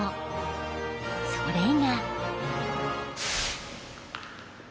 ［それが］